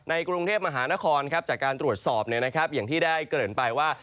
กรุงเทพมหานครจากการตรวจสอบอย่างที่ได้เกริ่นไปว่า